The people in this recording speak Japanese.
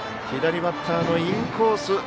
左バッターのインコース。